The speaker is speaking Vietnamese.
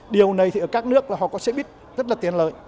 điều này thì ở các nước là họ có xe buýt rất là tiện lợi